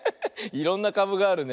いろんなかぶがあるね。